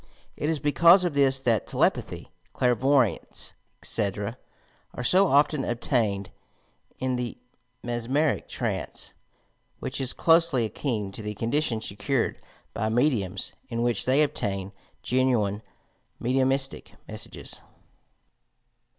It is because of this that telepathy, clairvoyance, etc., are so often obtained in the mesmeric trance, which is closely akin to the condition secured by mediums, in which they obtain genuine mediumistie messages.